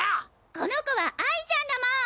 この子は哀ちゃんだもん！